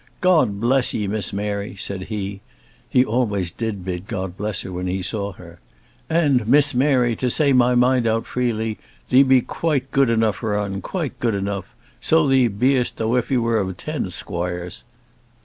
"God bless 'ee, Miss Mary," said he he always did bid God bless her when he saw her. "And, Miss Mary, to say my mind out freely, thee be quite gude enough for un, quite gude enough; so thee be'st tho'f he were ten squoires."